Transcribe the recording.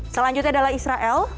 selanjutnya adalah israel